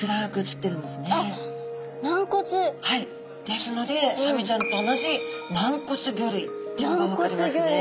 ですのでサメちゃんと同じ軟骨魚類っていうのが分かりますね。